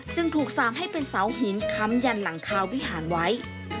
จึงถูกสั่งให้เป็นเสาหินค้ำยันหลังคาวิหารไว้